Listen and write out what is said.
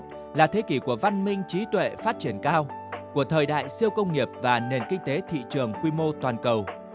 thế kỷ hai mươi một là thế kỷ của văn minh trí tuệ phát triển cao của thời đại siêu công nghiệp và nền kinh tế thị trường quy mô toàn cầu